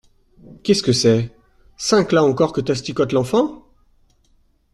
Qu’est-ce que c’est ?… cinq’là encore que t’asticotes l’enfant ?